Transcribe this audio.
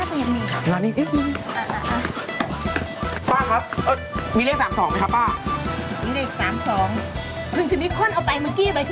ไปนานนี้ละ